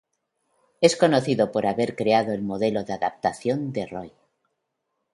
Es conocida por haber creado el modelo de adaptación de Roy.